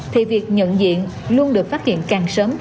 thì việc nhận diện luôn được phát hiện càng sớm càng nhanh